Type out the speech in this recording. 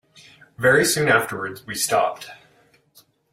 Very soon afterwards we stopped.